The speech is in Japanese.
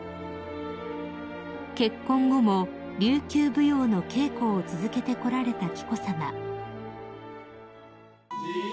［結婚後も琉球舞踊の稽古を続けてこられた紀子さま］